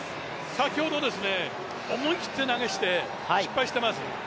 先ほど思い切った投げをして、失敗しています。